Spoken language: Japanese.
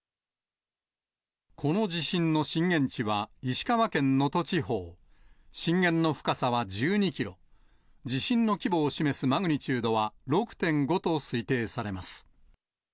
この地震の震源地は石川県能登地方、震源の深さは１２キロ、地震の規模を示すマグニチュードは６．５と推定されます。